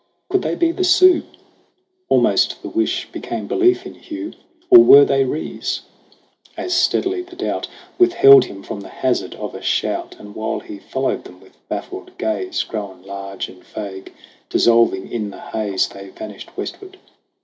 Could they be the Sioux ? Almost the wish became belief in Hugh. Or were they Rees ? As readily the doubt Withheld him from the hazard of a shout. And while he followed them with baffled gaze, Grown large and vague, dissolving in the haze, They vanished westward.